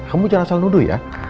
kamu jangan asal nuduh ya